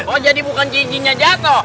oh jadi bukan jinjingnya jatuh